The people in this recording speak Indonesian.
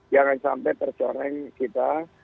jangan sampai tercoreng kita